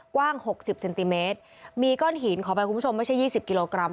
กว้างหกสิบเซนติเมตรมีก้อนหินขอแปลว่าคุณผู้ชมไม่ใช่ยี่สิบกิโลกรัม